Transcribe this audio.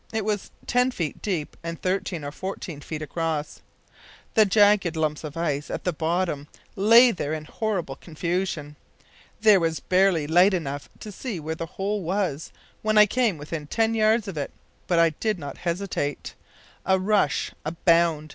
It was ten feet deep and thirteen or fourteen feet across. The jagged lumps of ice at the bottom lay there in horrible confusion. There was barely light enough to see where the hole was when I came within ten yards of it, but I did not hesitate. A rush! a bound!